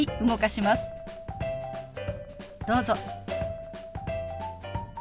どうぞ。